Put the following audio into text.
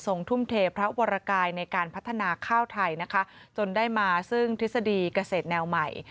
ทุ่มเทพระวรกายในการพัฒนาข้าวไทยนะคะจนได้มาซึ่งทฤษฎีเกษตรแนวใหม่